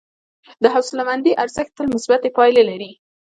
د حوصلهمندي ارزښت تل مثبتې پایلې لري.